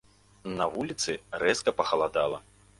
На вуліцы рэзка пахаладала.